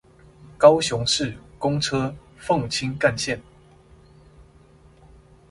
高雄市公車鳳青幹線